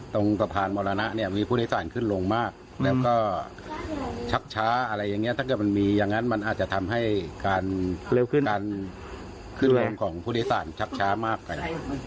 ตรงสะพานมรณะเนี่ยมีผู้โดยสารขึ้นลงมากแล้วก็ชักช้าอะไรอย่างนี้ถ้าเกิดมันมีอย่างนั้นมันอาจจะทำให้การขึ้นลงของผู้โดยสารชักช้ามากไป